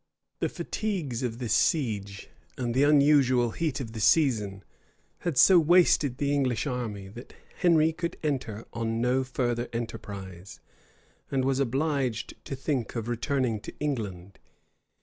65 The fatigues of this siege, and the unusual heat of the season, had so wasted the English army, that Henry could enter on no further enterprise; and was obliged to think of returning into England.